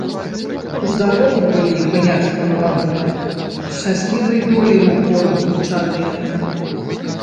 Здаровы былі, баярства маладое, шчаслівай доляй упору злучаныя.